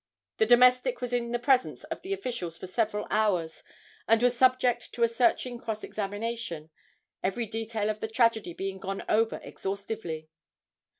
The domestic was in the presence of the officials for several hours and was subject to a searching cross examination, every detail of the tragedy being gone over exhaustively.